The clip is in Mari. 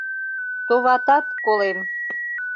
Товатат, колем!..